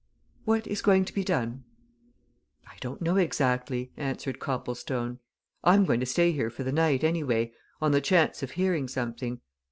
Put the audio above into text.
"What is going to be done?" "I don't know, exactly," answered Copplestone. "I'm going to stay here for the night, anyway, on the chance of hearing something.